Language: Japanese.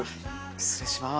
失礼します。